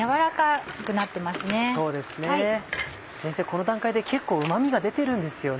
この段階で結構うま味が出てるんですよね。